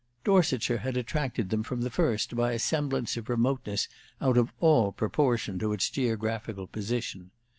Dorsetshire had attracted them from the first by a semblance of remoteness out of all proportion to its geographical position.